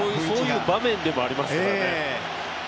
そういう場面でもありますすからね。